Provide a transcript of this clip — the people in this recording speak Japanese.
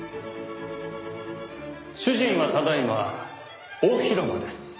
主人はただ今大広間です。